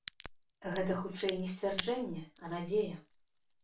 Гэта, хутчэй, не сцвярджэнне, а надзея.